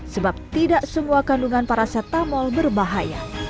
sebab tidak semua kandungan paracetamol berbahaya